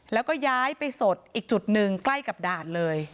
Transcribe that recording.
แล้วก็ย้ายไปสดอีกจุดหนึ่งใกล้กับด่านเลย